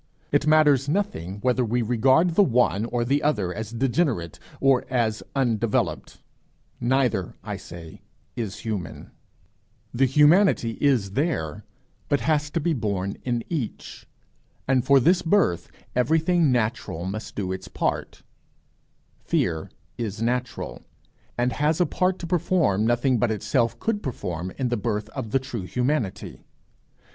It matters nothing whether we regard the one or the other as degenerate or as undeveloped neither I say is human; the humanity is there, but has to be born in each, and for this birth everything natural must do its part; fear is natural, and has a part to perform nothing but itself could perform in the birth of the true humanity.